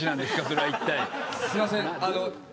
すいません。